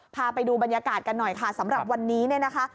พาไปดูบรรยากาศกันหน่อยค่ะสำหรับวันนี้เนี่ยนะคะ